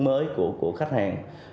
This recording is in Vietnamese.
mới của khách hàng